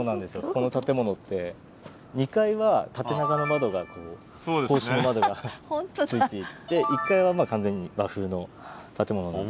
この建物って２階は縦長の窓が格子の窓がついていて１階は完全に和風の建物なんですけれど。